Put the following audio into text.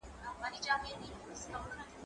پوښتنه د زده کوونکي له خوا کيږي،